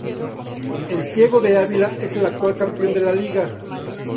El Ciego de Ávila es el actual campeón de la liga.